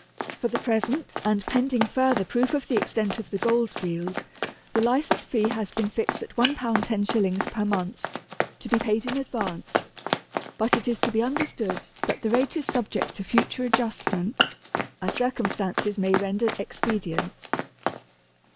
For the present, and pending further proof of the extent of the Gold field, the License fee has been fixed at £1 10s. per month, to be paid in advance; but it is to be understood that the rate is subject to future adjustment, as circumstances may render expedient.